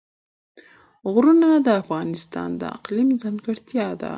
غرونه د افغانستان د اقلیم ځانګړتیا ده.